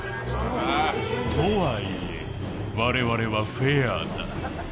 とはいえ、我々はフェアだ。